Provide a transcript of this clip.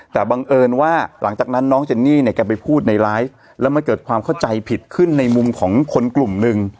แต่บังเอิญว่าหลังจากนั้นน้องเจนนี่เนี่ยแกไปพูดในไลฟ์แล้วมันเกิดความเข้าใจผิดขึ้นในมุมของคนกลุ่มหนึ่ง